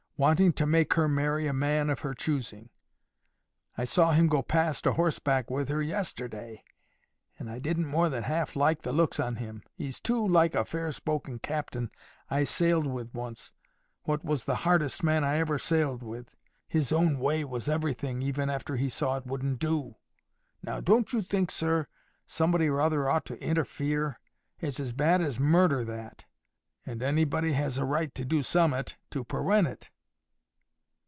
—wanting to make her marry a man of her choosing. I saw him go past o' horseback with her yesterday, and I didn't more than half like the looks on him. He's too like a fair spoken captain I sailed with once, what was the hardest man I ever sailed with. His own way was everything, even after he saw it wouldn't do. Now, don't you think, sir, somebody or other ought to interfere? It's as bad as murder that, and anybody has a right to do summat to perwent it."